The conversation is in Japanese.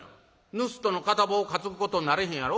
ぬすっとの片棒を担ぐことにならへんやろ。